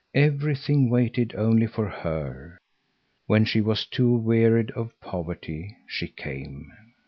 Everything waited only for her. When she was too wearied of poverty, she came.